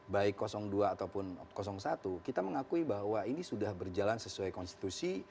baik dua ataupun satu kita mengakui bahwa ini sudah berjalan sesuai konstitusi